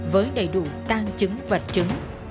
với đầy đủ tăng chứng vật chứng